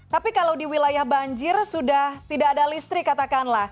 tapi kalau di wilayah banjir sudah tidak ada listrik katakanlah